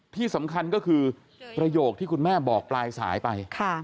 ที่สำคัญก็คือประโยคที่คุณแม่บอกปลายสายไป